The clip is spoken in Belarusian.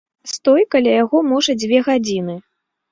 Стой каля яго можа дзве гадзіны.